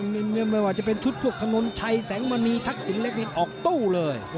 มันจะเป็นชุดบลงของชัยแสงมามีทักษิงแลกมีนออกโต้เลย